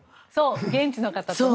現地の方とね。